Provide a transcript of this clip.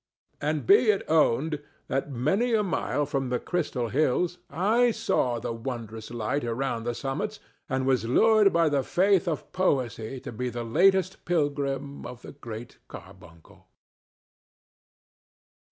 And be it owned that many a mile from the Crystal Hills I saw a wondrous light around their summits, and was lured by the faith of poesy to be the latest pilgrim of the Great Carbuncle.